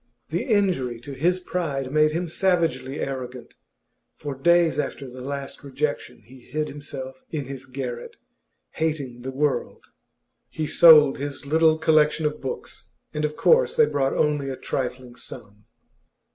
The injury to his pride made him savagely arrogant; for days after the last rejection he hid himself in his garret, hating the world. He sold his little collection of books, and of course they brought only a trifling sum.